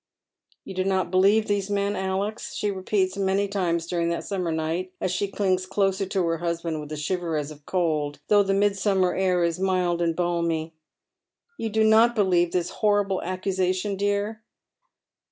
" You do not believe these men, Alex ?" she repeats many times during that summer night as she clings closer to her hus band with a shiver as of cold, though the midsummer air is mild and balmy. " You do not believe this horrible accusation, dear?"